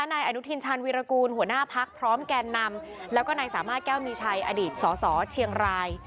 นายอนุทินชาญวีรกูลหัวหน้าพักพร้อมแกนนำแล้วก็นายสามารถแก้วมีชัยอดีตสสเชียงราย